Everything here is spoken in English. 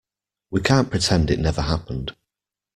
We can't pretend it never happened.